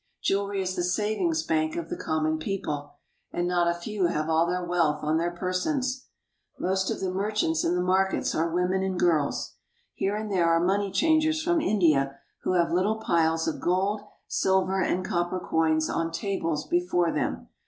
Jewelry is the savings bank of the common people, and not a few have all their wealth on their persons. Most of the merchants in the markets are women and girls. Here and there are money changers from India who have little piles of gold, silver, and copper coins on tables before them.